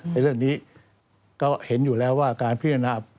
ในเรื่องนี้ก็เห็นอยู่แล้วว่าการพิจารณา